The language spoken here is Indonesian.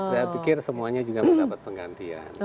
dia pikir semuanya juga mendapat penggantian gitu ya